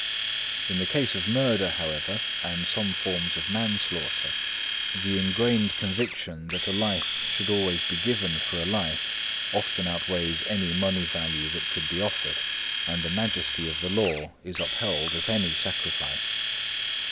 In the case of murder, however, and some forms of manslaughter, the ingrained conviction that a life should always be given for a life often outweighs any money value that could be offered, and the majesty of the law is upheld at any sacrifice.